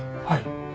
はい。